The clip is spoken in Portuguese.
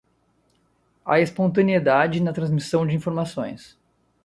a espontaneidade na transmissão de informações